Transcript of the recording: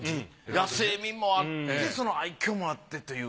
野性味もあってその愛嬌もあってっていう。